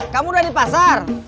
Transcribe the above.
kamu udah di pasar